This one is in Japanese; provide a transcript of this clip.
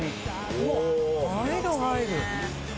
うわっ入る入る。